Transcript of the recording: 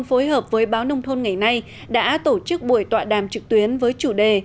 phối hợp với báo nông thôn ngày nay đã tổ chức buổi tọa đàm trực tuyến với chủ đề